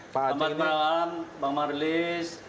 selamat malam bang marlis